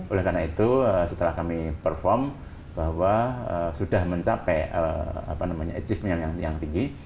oleh karena itu setelah kami perform bahwa sudah mencapai achievement yang tinggi